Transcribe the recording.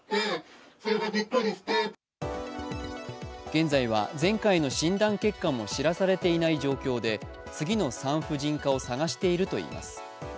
現在は前回の診断結果も知らされていない状況で、次の産婦人科を探しているといいます。